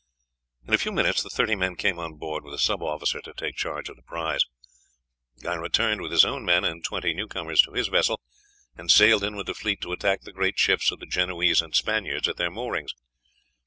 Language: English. In a few minutes the thirty men came on board, with a sub officer to take charge of the prize. Guy returned with his own men and twenty new comers to his vessel, and sailed in with the fleet to attack the great ships of the Genoese and Spaniards at their moorings.